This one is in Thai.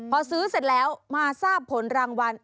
พอซื้อเสร็จแล้วมาทราบผลรางวัล